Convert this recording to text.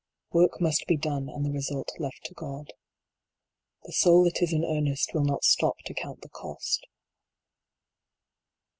Work must be done, and the result left to God. The soul that is in earnest, will not stop to count the cost.